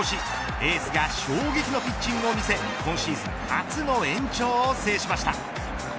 エースが衝撃のピッチングを見せ今シーズン初の延長を制しました。